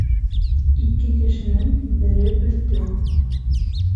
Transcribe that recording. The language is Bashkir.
Ике кешенең бере өҫтөн